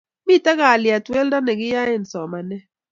Mito kalyet weldo ne kiyoen somanet